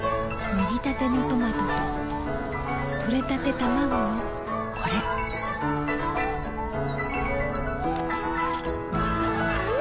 もぎたてのトマトととれたてたまごのこれん！